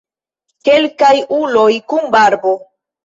Kelkaj uloj kun barbo.